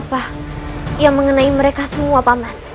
penyakit apa yang mengenai mereka semua pak man